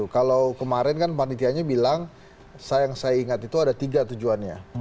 kalau kemarin kan panitianya bilang yang saya ingat itu ada tiga tujuannya